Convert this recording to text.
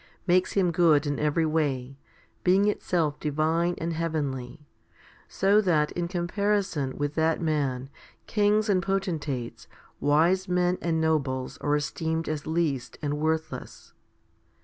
HOMILY XXXVIII 259 makes him good in every way, being itself divine and heavenly, so that in comparison with that man kings and potentates, wise men and nobles are esteemed as least and worthless.